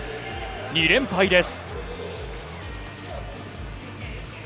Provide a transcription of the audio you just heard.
２連敗です。